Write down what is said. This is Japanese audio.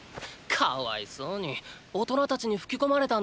かわいそうに大人たちに吹き込まれたんだな。